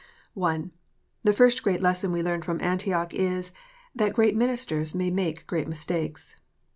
I. The first great lesson we learn from Antioch is, that great ministers may make great mistakes.